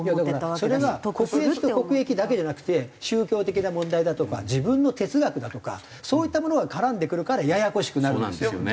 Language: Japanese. いやだからそれが国益と国益だけじゃなくて宗教的な問題だとか自分の哲学だとかそういったものが絡んでくるからややこしくなるんですよ。